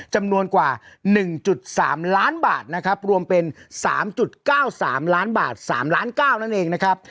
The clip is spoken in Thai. จำนวนกว่าหนึ่งจุดสามล้านบาทนะครับรวมเป็นสามจุดเก้าสามล้านบาทสามล้านเก้านั่นเองนะครับ